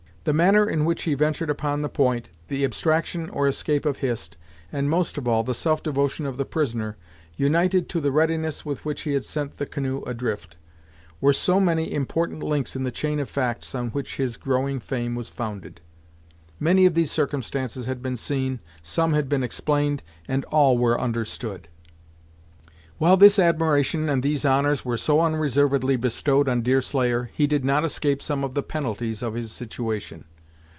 The manner in which he ventured upon the point, the abstraction or escape of Hist, and most of all the self devotion of the prisoner, united to the readiness with which he had sent the canoe adrift, were so many important links in the chain of facts, on which his growing fame was founded. Many of these circumstances had been seen, some had been explained, and all were understood. While this admiration and these honors were so unreservedly bestowed on Deerslayer, he did not escape some of the penalties of his situation.